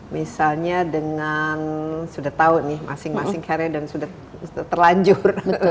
misalnya dengan sudah tahu nih masing masing karya dan sudah terlanjur